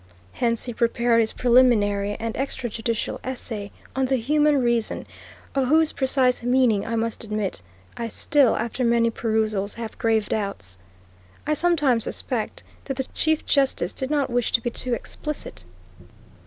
Hence, he prepared his preliminary and extra judicial essay on the human reason, of whose precise meaning, I must admit, I still, after many perusals, have grave doubts. I sometimes suspect that the Chief Justice did not wish to be too explicit.